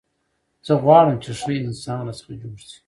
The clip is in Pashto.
زه غواړم، چي ښه انسان راڅخه جوړ سي.